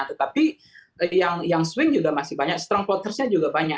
tetapi yang swing juga masih banyak strong votersnya juga banyak